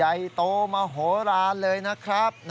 ใหญ่โตมโหลานเลยนะครับ